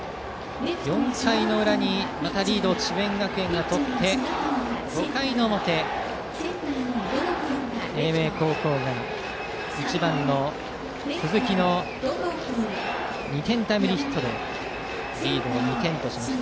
４回の裏にまたリードを智弁学園がとって５回の表、英明高校が１番の鈴木の２点タイムリーヒットでリードを２点としました。